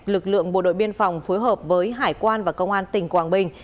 lực lượng bộ đội biên phòng phối hợp với hải quan và công an tỉnh quảng bình